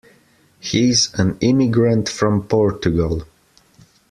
He's an immigrant from Portugal.